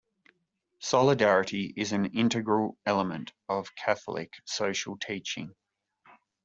Solidarity is an integral element of Catholic social teaching.